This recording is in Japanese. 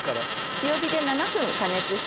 強火で７分加熱してください。